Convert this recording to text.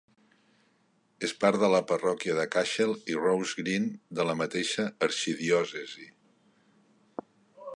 És part de la parròquia de Cashel i Rosegreen de la mateixa arxidiòcesi.